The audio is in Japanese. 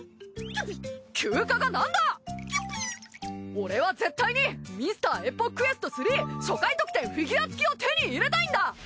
俺は絶対に『ミスターエポックエスト３』初回特典フィギュア付きを手に入れたいんだ！